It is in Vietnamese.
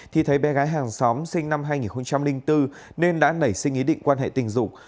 thì thấy bé gái hàng xóm sinh năm hai nghìn bốn nên đã nảy sinh ý định quan hệ tình dục